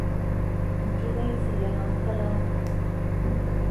முற்றுகை சில நாட்களா?